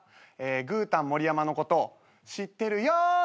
グータン森山のこと知ってるよって人。